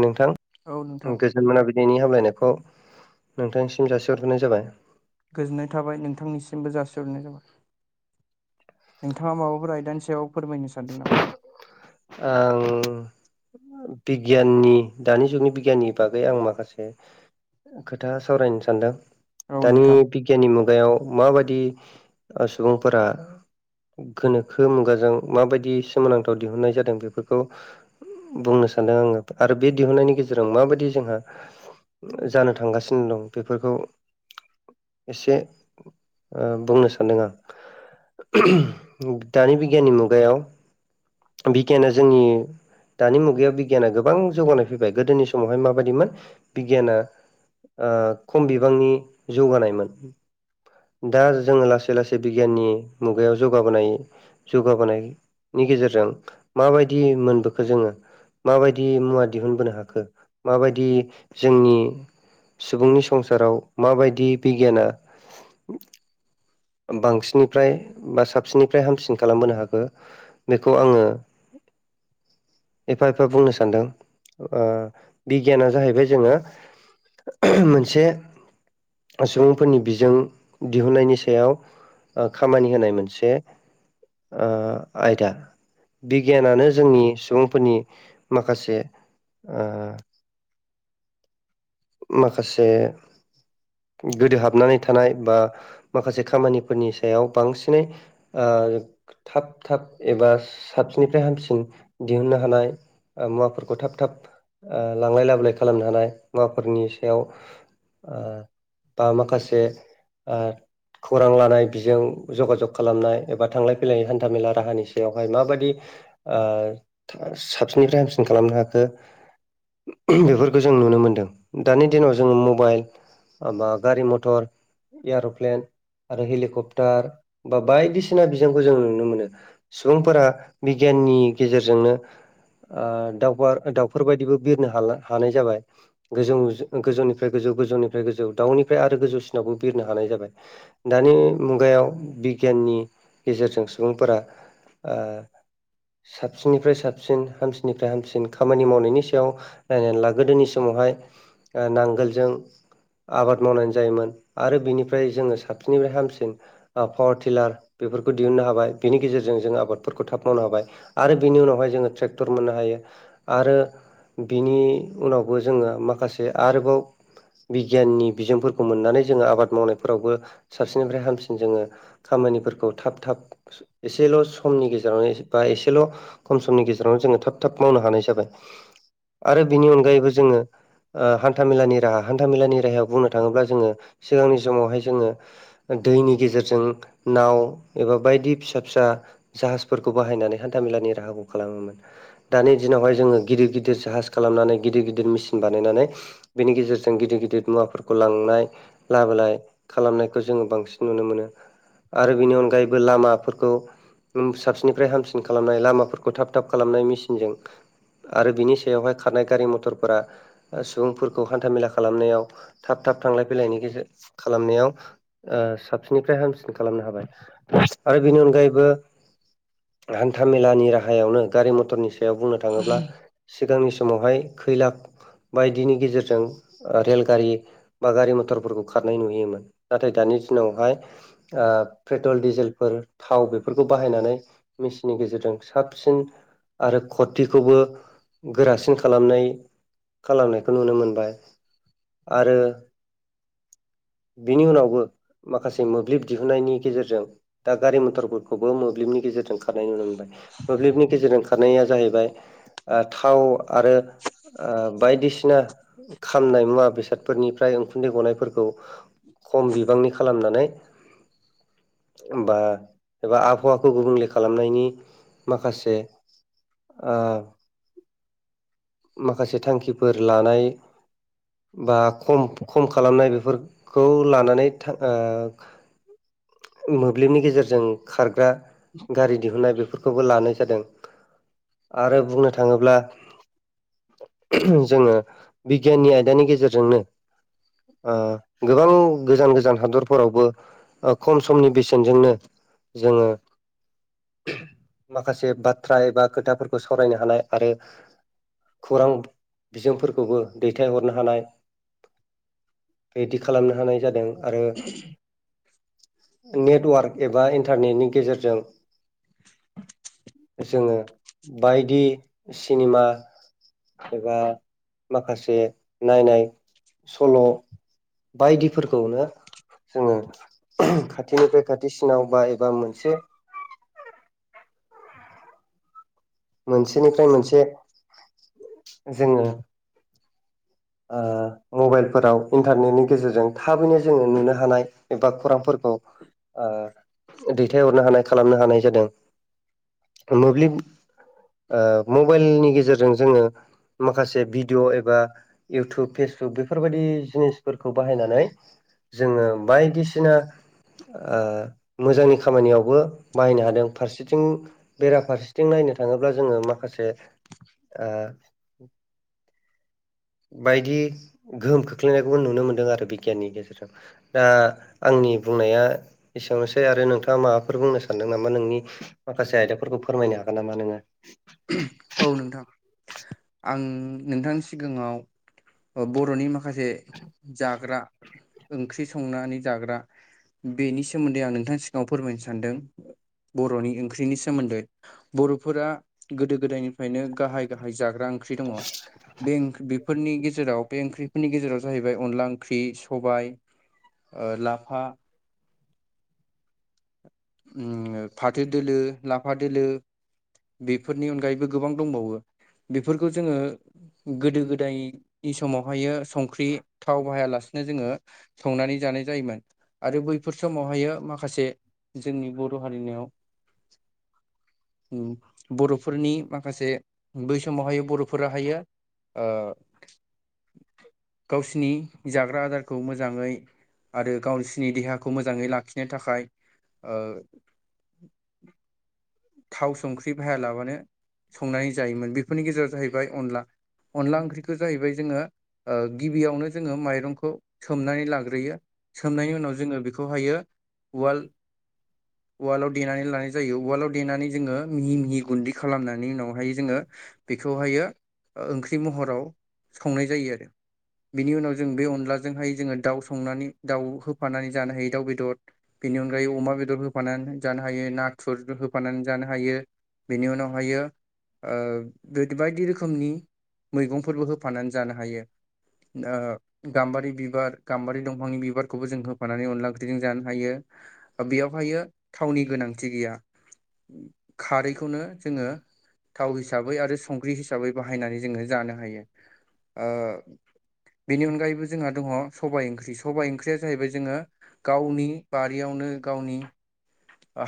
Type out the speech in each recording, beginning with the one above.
नोंथां औ नोंथां गोजोन मोना बिलिनि नि हामलायनायखौ नोंथांनिसिम जासिहरग्रोनाय जाबाय। गोजोननाय थाबाय नोंथांनिसिमबो जासिहरनाय थाबाय नोंथाङा माबाफोर आयदानिसायाव फोरमायनो सानदों नामा आं बिगियाननि दानि जुगनि बिगियाननि बागै आं माखासे खोथा सावरायनो सानदों औ दानि नोंथां बिगियानि मु गायाव माबायदि सुबुंफोरा गोनोखो मुगाजों मा बायदि बिदि सोमोनांथाव दिहुन्नाय जादों बेफोरखौ बुंनो सानदों आङो आरो बे दिहुननायनि गेजेराव माबायदि जोंहा जानो थांगासिनो दं बेफोरखौ एसे ओ बुंनो सान्दों आं दानि बिगियाननि मुगायाव बिगियाना जोंनि दानि मुगायाव बिगियाना गोबां जौगानाय फैबाय गोदोनि समावहाय माबायदिमोन बिगियाना ओ खम बिबांनि जौगानायमोन दा जोङो लासै लासै बिगियाननि मुगायाव जौगाबोनाय जौगाबोनाय नि गेजेरजों माबायदि मोनबोखो जोङो माबायदि मुवा दिहुनबोनो हाखो माबायदि जोंनि सुबुंनि संसाराव माबायदि बिगियाना बांसिननिफ्राय बा साबसिननिफ्राय हामसिन खालामबोनो हाखो बेखौ आङो एफा एफा बुंनो सानदों ओ बिगियाना जाहैबाय जोङो मोनसे सुबुंफोरनि बिजों दिहुनन्नायनि सायाव ओ खामानि होनाय मोनसे ओ आयदा बिगियानानो जोंनि सुबुंफोरनि माखासे ओ माखासे गोदो हाबनानै थानाय बा माखासे खामानिफोरनि सायाव बांसिनै ओ ओ थाब थाब एबा साबसिननिफ्राय हामसिन दिहुननो हानाय मुवाफोरखौ थाब थाब ओ लांलाय लाबोलाय खालामनो हानाय मुवाफोरनि सायाव ओ बा माखासे ओ खौरां लानाय बिजों जगाजग खालामनाय एबा थांलाय फैलाय हान्थाामेला राहानिस यावहाय माबायदि ओ साबसिननिफ्राय हामसिन खालामनो हाखो बेफोरखौ जों नुनो मोनदों दानि दिनाव जोङो मबाइल बा गारि मथर एयारप्लेन आरो हेलिकप्टार बा बायदिसिना बिजोंखौ जों नुनो मोनो सुबुंफोरा बिगियाननि गेजेरजोंनो ओ दाउबार दाउफोरबायायदिबो बिरनो हा हानाय जाबाय गोजौ गोजौनिफ्राय गोजौ गोजौनिफ्राय गोजौ दाउनिफ्राय आरो गोजौसिनावबो बिरनो हानाय जाबाय दानि मुगायाव बिगिया नि गेजेरजों सुबुंफोरा ओ साबसिननिफ्राय साबसिन हामसिननिफ्राय हामसिन खामानि मावनायनि सायाव नायनानै ला गोदोनि समाव बेहाय ओ नांगोलजों आबाद मावनानै जायोमोन आरो बिनिफ्राय जोङो साबसिननिफ्राय हामसिन पावार टिलार बेफोरखौ दिहुननो हाबाय बेनि गेजेर जों जों आबादफोरखौ थाब मावनो हाबाय आरो बिनि उनावहाय जोङो ट्रेक्टर मोननो हायो आरो बिनि उनावबो जोङो माखासे आरोबाव बिगियाननि बिजोंफोरखौ मोननानै जोङो आबाद मावनायफोरावबो साबसिननिफ्राय हामसिन जोङो खाम खामानिफोरखौ थाब थाब एसेल' समनि गेजेरावनो बा एसेल' खम समनि गेजेरावनो जोङो थाब थाब मावनो हानाय जाबाय आरो बिनि अनगायैबो जोङो ओ हान्था मेलानि राहा हान्थाामेलानि राहायाव बुंनो थाङोब्ला जोङो सिगांनि समावहाय जोङो दैनि गेजेरजों नाव एबा बायदि फिस फिसा फिसा जाहाजफोरखौ बाहायनानै हान्थामेलानि राहाखौ खालामोमोन दानि दिनावहाय जोङो गिदिर गिदिर जाहाज खालामनानै गिदिर गिदिर मेसिन बानायनानै बेनि गेजेरजों गिदिर गिदिर मुवाफोरखौ लांनाय लाबोलाय खालामनायखौ जोङो बांसिन नुनो मोनो आरो बेनि अनगायैबो लामाफोर खौ साबसिननिफ्राय हामसिन खालामनाय लामाफोरखौ थाब थाब खालामनाय मेसिनजों आरो बिनि सायावहाय खारनाय गारि मथरफोरा सुबुंफोरखौ हान्थामेला खालामनायाव थाब थाब थांलाय फैलायनि गेजे खालामनायाव साबसिननिफ्राय हामसिन खालामनो हाबाय आरो बेनि अनगायैबो हान्था मेलानि राहायावनो गारि मथरनि सा सायाव बुंनो थाङोब्ला सिगांनि समावहाय खैला बायदिनि गेजेरजों रेलगारि बा गारि मथरफोरखौ खारनाय नुयोम नाथाय दानि दिनावहाय ओ पेट्रल डिजेलफोर थाव बेफोरखौ बाहायनानै मेसिननि गेजेरजों साबसिन आरो खतखौबो गोरासिन खालामनाय खालामनायखौ नुनो मोनबाय आरो बिनि उनावबो माखासे मोब्लिब दिहुनन्नायनि गेजेरजों दा गारि मथरफोरखौबो मोब्लिबनि गेजेरजों खारनाय नुनो मोनबाय मोब्लिबनि गेजेरजों खारनाया जाहैबाय ओ थाव आरो ओ बायदिसिना खामनाय मुवा बेसादफोरनिफ्राय उखुन्दै गनायफोरखौ खम बिबांनि खालामनानै बा एबा आबहावाखौ गुबुंले खालामनायनि माखासे ओ माखासे थांखिफोर लानाय बा खम खम खालामनाय बेफोरखौ लानानै ओ मोब्लिबनि गेजेरजों खारग्रा गारि दिहुननाय बेफोरखौबो लानाय आरो बुंनो थाङोब्ला जोङो बिगियाननि आयदानि गेजेरजोंनो ओ गोबां गोजान गोजान हादरफोरावबो खम समनि बेसेनजोंनो जोङो माखासे बाथ्रा एबा खोथाफोरखौ सावरायनो हानाय आरो खौरां बिजोंफोरखौबो दैथायहरनो हानाय रेदि खालामनो हानाय जादों आरो नेटवार्क एबा इन्टारनेटनि गेजेरजों जोङो बायदि सिनेमा एबा माखासे नायनाय सल' बायदिफोरखौनो जोङो खाथिनिफ्राय खाथिसिनाव बा एबा मोनसे [inaudible] मोनसेनिफ्राय मोनसे जोङो ओ मबाइलफोराव इन्टारनेटनि गेजेरजों थाबैनो जोङो नुनो हानाय एबा खौरांफोरखौ ओ दैथायहरनो हानाय खालामनो हानाय जादों मोब्लिब ओ मबाइलनि गेजेरजों जोङो माखासे भिडिय' एबा इउटुब फेसबुक बेफोरबायदि जिनिसफोरखौ बाहायनानै जोङो बायदिसिना ओ मोजांनि खामानियावबो बाहायनो हादों फारसेथिं बेराफारसेथिं नायनो थाङोब्ला जोङो माखासे आ बायदि गोहोम खोख्लैनायखौबो नुनो मोनदों आरो बिगियाननि गेजेरजों दा आंनि बुंनाया एसेरावनोसै आरो नोंथाङा माबाफोर बुंनो सानदों नामा नोंनि माखासे आयदाफोरखौ फोरमायनो हागोन नामा नोङो? औ नोंथां। आं नोंथांनि सिगाङाव बर'नि माखा माखासे जाग्रा ओंख्रि संनानै जाग्रा बेनि सोमोन्दै आं नोंथांनि सिगाङाव फोरमायनो सानदों। बर'नि ओंख्रिनि सोमोन्दै बर'फोरा गोदो गोदायनिफ्रायनो गाहाय गाहाय जाग्रा ओंख्रि दङ। बे ओंख्रि फोरनि गेजेराव बे ओंख्रिफोरनि गेजेराव जाहैबाय अनला ओंख्रि सबाय ओ लाफा उम फाथो दोलो आफा दोलो बेफोरनि अनगायैबो गोबां दंबावो बेफोरखौ जोङो गोदो गोदाय बे समावहायो संख्रि थाव बाहायालासिनो जोङो संनानै जानाय जायोमोन। आरो बैफोर समावहायो माखासे जोंनि बर' हारिनियाव बर'फोरनि माखासे बै समावहाय बर' फुरा हायो ओ गावसिनि जाग्रा आदारखौ मोजाङै आरो गावसोरनि देहाखौ मोजाङै लाखिनो थाखाय ओ थाव संख्रि भाहाया लाबानो संनानै जायोमोन बेफोरनि गेजेराव जाहैबाय अनला अनला ओंख्रिखौ जाहैबाय जोङो ओ गिबियावनो जोङो माइरंखौ खौ सोमनानै लाग्रोयो सोमनायनि उनाव जोङो बेखौहायो उवाल उवालआव देनानै लानाय जायो उवालआव देनानै जोङो मिहि मिहि गुन्दि खालामना नि उनावहाय जोङो बेखौहायो ओंख्रि महराव संनाय जायो आरो बिनि उनाव जों बे अनलाज जोंहाय जोङो दाउ संनानै दाउ होफानानै जानो हायो दाउ बेदर बेनि अनगायै अमा बेदर होफानान‌ नै जानो हायो नाथुर होफानानै जानो हायो बेनि उनावहायो ओ बायदि रोखोमनि मैगंफोरबो होफानानै जानो हायो। ओ गाम्बारि बिबार गाम्बारि दंफांनि बिबारखौबो जों होफानानै अनला ओंख्रिजों जानो हायो। बेयावहायो थावनि गोनांथि गैया खारैखौनो जोङो थाव हिसाबै आरो संख्रि हिसाबै बाहायनानै जोङो जानो हायो। ओ बेनि अनगायैबो जोंहा दङ' सबाय ओंख्रि सबाइ ओंख्रिया जाहैबाय जोङो गावनि बारियावनो गावनि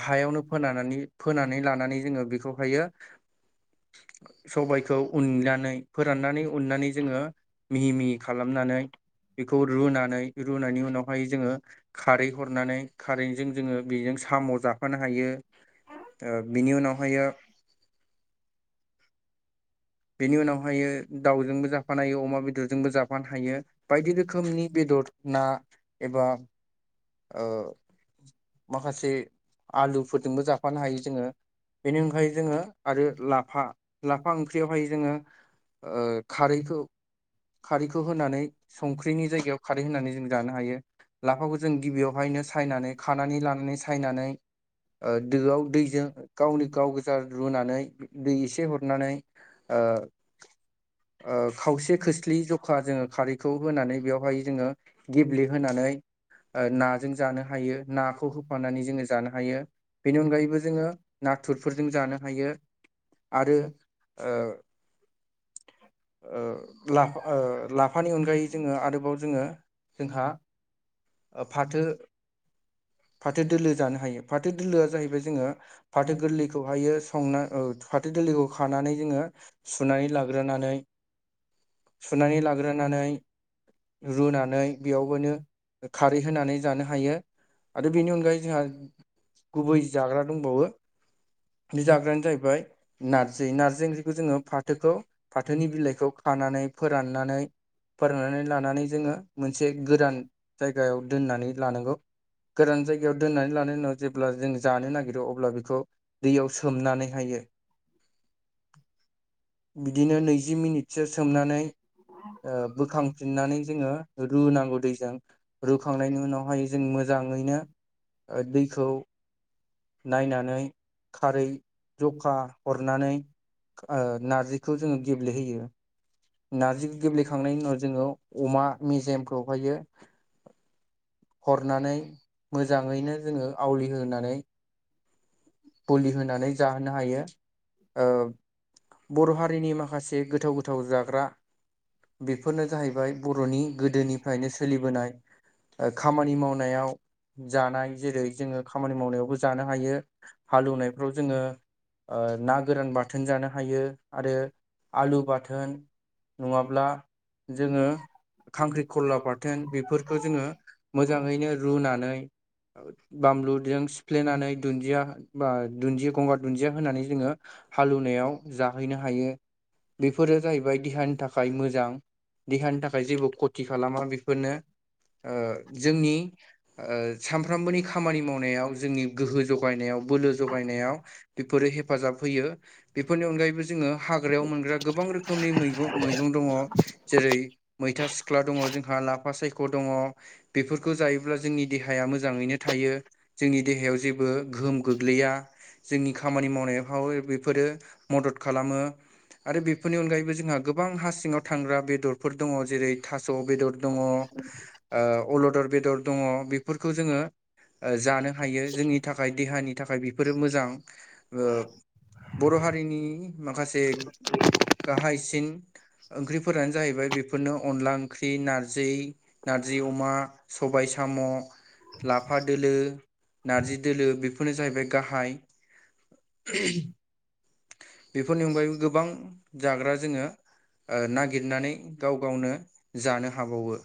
हाय फोनानानै फोनानै लानानै जोङो बेखौ हायो सबायखौ उननानै फोराननानै उननानै जोङो मिहि मिहि खालामनानै बेखौ रुनानै रुनायनि उनाव ओमफाय जोङो खारै हरनानै खारैजों जोङो बेजों साम' जाफानो हायो। ओ बिनि उनावहायो बिनि उनावहायो दाउजोंबो जाफानो हायो अमा बेदरजोंबो जाफानो हायो। बायदि रोखोमनि बेदर ना एबा ओ माखासे आलु जोंबो जाफानो हायो जोङो बेनि अनगायै जोङो आरो लाफा लाफा ओंख्रियावहाय जोङो ओ खारैखौ खारैखौ होनानै संख्रिनि जायगायाव खारै होनानै जों जानो हायो। लाफाखौ जों गिबियावहायनो सायनानै खानानै लानानै सायनानै ओ दोआव दैजों गावनि गाव गोजा रुनानै दै एसे हरनानै ओ ओ खावसे खोस्लि ज'खा जोङो खारैखौ होनानै बेवहाय जोङो गेब्लेबहोनानै ओ नाजों जानो हायो नाखौ होफानानै जोङो जानो हायो। बेनि अनगायैबो जोङो नाथुरफोरजों जानो हायो। आरो ओ ओ लाफा ओ लाफानि अनगायै जोङो आरोबाव जोङो जोंहा ओ फाथो फाथो दोलो जानो हायो। फाथो दोलोआ जाहैबाय जोङो फाथो गोरलैखौहायो संना ओ फाथो गोरलैखौ खानानै जोङो सुनानै लाग्रोनानै सुनानै लाग्रोनानै रुनानै बेयावबोनो खारै होनानै जानो हायो। आरो बेनि अनगायै जोंहा गुबै जाग्रा दंबावो। बे जाग्रायानो जाहैबाय नार्जि नार्जि ओंख्रिखौ जोङो फाथोखौ फाथोनि बिलाइखौ खान नानै फोराननानै फोरान्नानै लानानै जोङो मोनसे गोरान जायगायाव दोननानै लानांगौ। गोरान जायगायाव दोननानै लानाय उनाव जेब्ला जों जानो नागिरो अब्ला बेखौ दैयाव सोमनानैहायो बिदिनो नैजि मिनिटसो सोमनानै ओ बोखांफिन्नानै जोङो रुनांगौ दैजों रुखांनायनि उनावहाय जों मोजाङैनो ओ दैखौ नायनानै खारै ज'खा हरनानै नारजिखौ ओ जोङो गेब्लेहोयो। नार्जिखौ गेब्लेखांनायनि उनाव जोङो अमा मेजेमफ्रावहायो हरनानै मोजाङैनो जोङो आवलिहोनानै ग'लि होनानै जाहोनो हायो ओ बर' हारिनि माखास से गोथाव गोथाव जाग्रा बेफोरनो जाहैबाय बर'नि गोदोनिफ्रायनो सोलिबोनाय ओ खामानि मावनायाव जानाय जेरै जोंङो खामानि मावनायावबो जानो हायो। हालौवनायफ्राव जोंङो ओ ना गोरान बाथोन जानो हायो आरो आलु बाथोन नंङाब्ला [inaudible] खांख्रिखलला बाथोन बेफोरखौ जोंङो मोजांङैनो रुनानै बामलुजों सिफ्लेनानै दुन्दिया बा दुन्दि गंगार दुन्दिया होनानै जोंङो हालेवनायाव जाहैनो हायो बेफोरो जाहैबाय देहानि थाखाय मोजां। देहानि थाखाय जेबो खथि खालामा बेफोरनो ओ जोंनि ओ सामफ्रामबोनि खामानि मावनायाव जोंनि गोहो जगायनायाव लो जगायनायाव बेफोरो हेफाजाब होयो बेफोरनि अनगायैबो जोंङो हाग्रायाव मोनग्रा गोबां रोखोम। खौमनि मैगं मैगं दंङ जेरै मैथा सिख्ला दंङ जोंहा ला फा सायख' दंङ बेफोरखौ जायोब्ला जोंनि देहाया मोजांङैनो थायो जोंनि देहायाव जेबो गोहोम। गोग्लैया जोंनि खामानि मावनायाव बेफोरो मदद खालामो। आरो बेफोरनि अनगायैबो जोंहा गोबां हा सिङांव थांग्रा बेदरफोर दंङ जेरै थास स' बेदर दंङ अल'दर बेदर दंङ बेफोरखौ जोंङो ओ जानो हायो जोंनि थाखाय देहानि थाखाय बेफोरो मोजां ओ। बर' हारिनि माखासे गाहायसिन ओंख्रिफोरानो जाहैबाय बेफोर फोरनो अनला ओंख्रि नारजि नारजि अमा सबाय साम' लाफा दोलो नारजि दोलो बेफोर फोरनो जाहैबाय गाहाय बेफोरनि अनगायैबो गोबां जाग्रा जोंङो ओ नागिरनानै गाव गावनो जानो हाबावो